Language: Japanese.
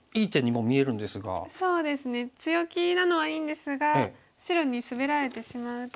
強気なのはいいんですが白にスベられてしまうと。